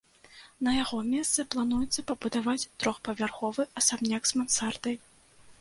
На яго месцы плануецца пабудаваць трохпавярховы асабняк з мансардай.